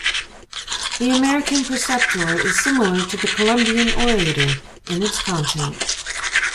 "The American Preceptor" is similar to "The Columbian Orator" in its content.